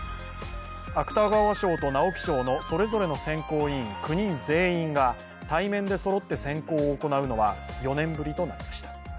芥川賞と直木賞のそれぞれの選考委員、９人全員が対面でそろって選考を行うのは４年ぶりとなりました。